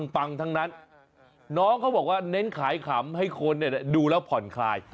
ปังทั้งนั้นน้องเขาบอกว่าเน้นขายขำให้คนดูแล้วผ่อนคลาย